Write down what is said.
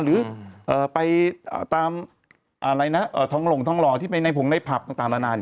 หรือไปตามท้องหลงท้องหล่อที่ไปในภูมิในผัพต่างละนาน